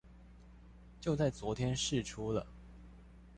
就在昨天釋出了